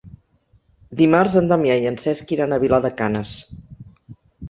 Dimarts en Damià i en Cesc iran a Vilar de Canes.